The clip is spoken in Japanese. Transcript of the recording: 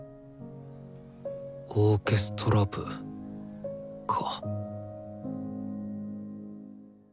オーケストラ部か。